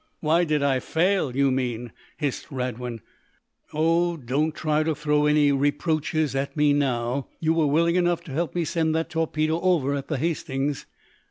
"Why did I fail, you mean?" hissed Radwin. "Oh, don't try to throw any reproaches at me, now. You were willing enough to help me send that torpedo over at the 'Hastings.'"